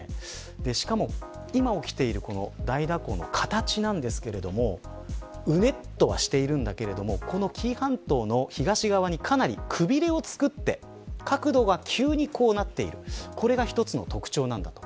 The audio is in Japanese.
しかも、今起きているこの大蛇行の形ですがうねっとはしているんだけれども紀伊半島の東にかなりくびれを作って角度が急にこうなっているこれが一つの特徴なんだと。